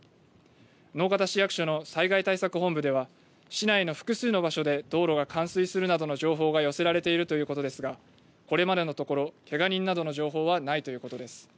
直方市役所の災害対策本部では市内の複数の場所で道路が冠水するなどの情報が寄せられているということですがこれまでのところ、けが人などの情報はないということです。